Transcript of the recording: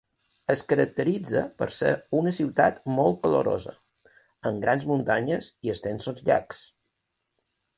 Es caracteritza per ser una ciutat molt calorosa, amb grans muntanyes i extensos llacs.